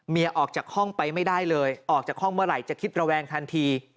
ออกจากห้องไปไม่ได้เลยออกจากห้องเมื่อไหร่จะคิดระแวงทันที